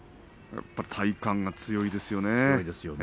やっぱり体幹が強いですよね。